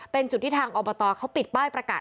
เป็นที่ทางอัลปะตอเขาปิดป้ายประกาศ